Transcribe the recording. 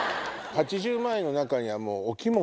８０万円の中には。